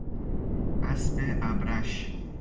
اسب ابرش